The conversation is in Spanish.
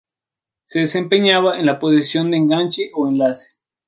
Se desempeñaba en la posición de enganche o enlace.